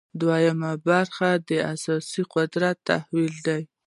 دویمه برخه د سیاسي قدرت تحلیل دی.